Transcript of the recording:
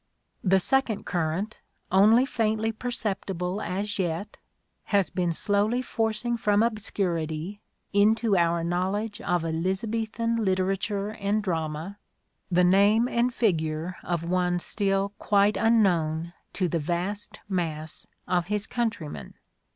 The second current, only faintly perceptible as yet, has been slowly forcing from obscurity, into our knowledge of Elizabethan literature and drama, the name and figure of one still quite unknown to the vast mass of his countrymen.